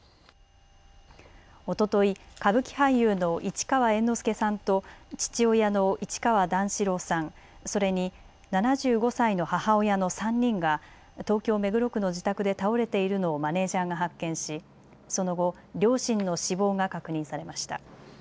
おととい、歌舞伎俳優の市川猿之助さんと父親の市川段四郎さん、それに７５歳の母親の３人が東京目黒区の自宅で倒れているのをマネージャーが発見しその後、両親の死亡が確認されました。